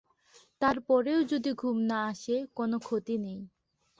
তার পরেও যদি ঘুম না আসে কোনো ক্ষতি নেই।